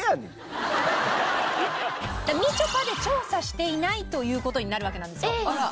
「みちょぱ」で調査していないという事になるわけなんですよ。えっ！